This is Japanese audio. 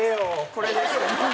これです。